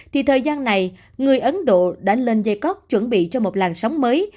thì thời gian này người ấn độ đã lên dây cóc chuẩn bị cho một làn sóng mới